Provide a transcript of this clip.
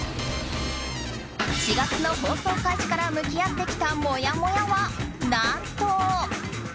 ４月の放送開始から向き合ってきたもやもやは何と。